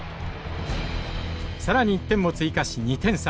更に１点も追加し２点差。